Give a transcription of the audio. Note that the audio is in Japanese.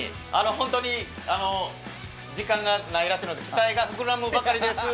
本当に時間がないらしいので期待が膨らむばかりです。